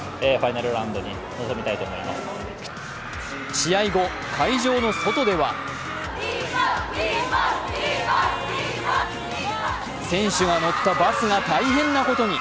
試合後、会場の外では選手が乗ったバスが大変なことに。